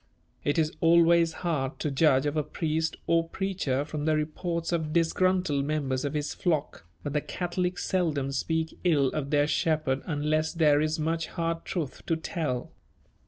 It is always hard to judge of a priest or preacher from the reports of disgruntled members of his flock, but the Catholics seldom speak ill of their shepherd unless there is much hard truth to tell.